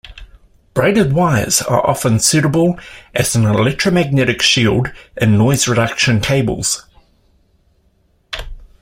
Braided wires are often suitable as an electromagnetic shield in noise-reduction cables.